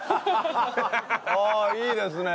ああいいですね！